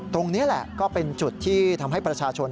ตรงนี้แหละก็เป็นจุดที่ทำให้ประชาชน